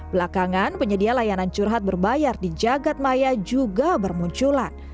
belakangan penyedia layanan curhat berbayar di jagadmaya juga bermunculan